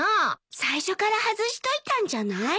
最初から外しといたんじゃない？